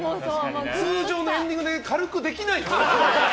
通常のエンディングで軽くできないよ。